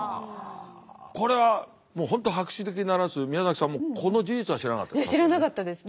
これは本当博識で鳴らす宮崎さんもこの事実は知らなかったですか？